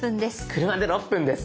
車で６分です。